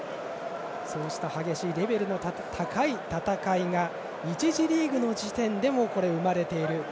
そうした激しい、レベルの高い戦いが１次リーグの時点でも生まれている。